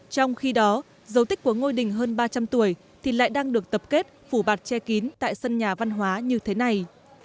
trong khi đó dấu tích của ngôi đình hơn ba trăm linh tuổi thì lại đang được tập kết phủ bạt che kín tại sân nhà văn hóa như thế này